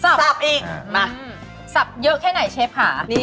สับเมื่อแม่เชฟค่ะ